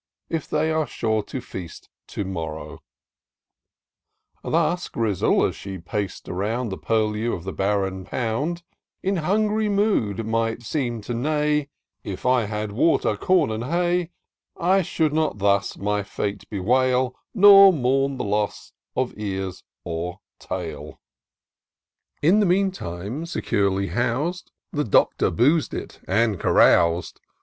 If they are sure to feast to morrow : Thus Grizzle, as she pac*d around The purlieu of the barren pound, 24 TOUR OF DOCTOR SYNTAX In hungry mood might seem to neigh —^* If I had water, com, and hay, I should not thus my fate bewail, Nor mourn the loss of ears or tail." In the meantime, securely hous'd, The Doctor booz'd it, and carous'd.